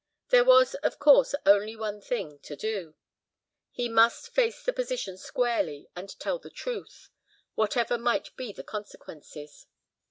There was, of course only one thing to do. He must face the position squarely and tell the truth, whatever might be the consequences.